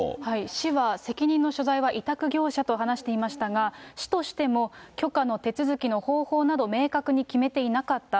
市は、責任の所在は委託業者と話していましたが、市としても、許可の手続きの方法など、明確に決めていなかった。